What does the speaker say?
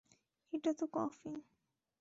এটা তো কফিন!